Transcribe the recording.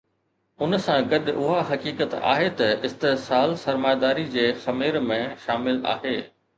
ان سان گڏ اها حقيقت آهي ته استحصال سرمائيداري جي خمير ۾ شامل آهي.